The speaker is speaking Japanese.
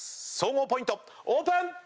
総合ポイントオープン！